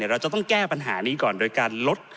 เราจะต้องแก้ปัญหานี้ก่อนโดยการลด